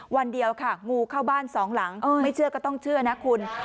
วันเดียวค่ะงูเข้าบ้านสองหลังไม่เชื่อก็ต้องเชื่อนะคุณ